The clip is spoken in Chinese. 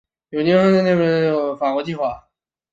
有经赫罗纳延伸至法国的计划。